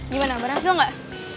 gimana berhasil gak